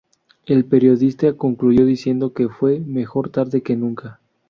El periodista concluyó diciendo que fue "mejor tarde que nunca".